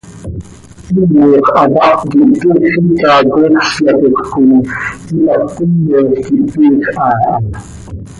Iimox hapáh quih, tiix xiica coosyatoj coi quipac cöquinol quih, tiix haa ha.